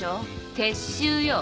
撤収よ。